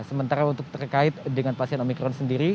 sementara untuk terkait dengan pasien omikron sendiri